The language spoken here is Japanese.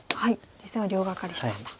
実戦は両ガカリしました。